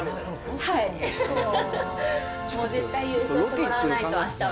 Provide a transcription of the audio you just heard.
はい、もう絶対に優勝してもらわないと、あしたは。